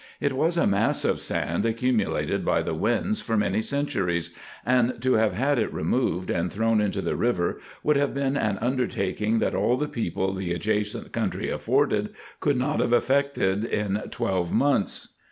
It was a mass of sand accumulated by the winds for many centuries, and to have had it removed, and thrown into the river, would have been an undertaking, that all the people the adjacent country afforded could not have effected in twelve months.